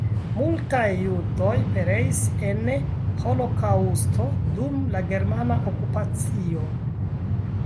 Multaj judoj pereis en holokaŭsto dum la germana okupacio.